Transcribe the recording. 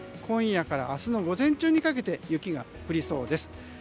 今夜から明日の午前中にかけて雪が降りそうです。